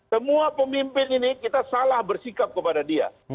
semua pemimpin ini kita salah bersikap kepada dia